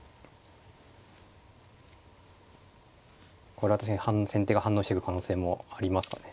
これは確かに先手が反応してくる可能性もありますかね。